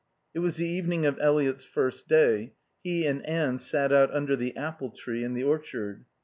It was the evening of Eliot's first day. He and Anne sat out under the apple trees in the orchard.